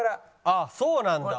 ああそうなんだ。